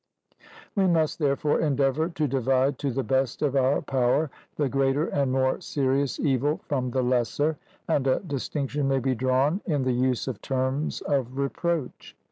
We must, therefore, endeavour to divide to the best of our power the greater and more serious evil from the lesser. And a distinction may be drawn in the use of terms of reproach.